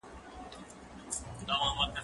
دا موبایل له هغه ګټور دی،